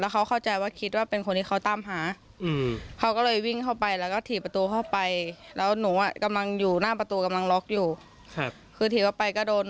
เค้าก็เหมือนถือดาบถือมีดถือปืนอะไรกันมาค่ะ